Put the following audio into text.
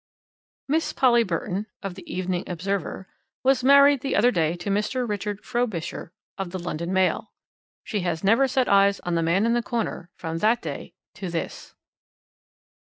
Miss Polly Burton (of the Evening Observer) was married the other day to Mr. Richard Frobisher (of the London Mail). She has never set eyes on the man in the corner from that day to this.